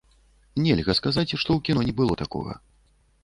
Нельга сказаць, што ў кіно не было такога.